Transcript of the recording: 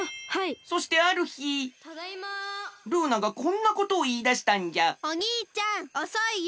そしてあるひルーナがこんなことをいいだしたんじゃおにいちゃんおそいよ！